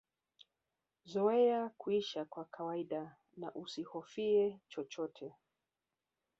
Zoea kuisha kwa kawaida na usihofie chochote